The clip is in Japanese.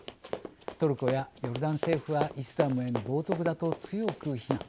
トルコやヨルダン政府はイスラムへの冒涜だと強く非難。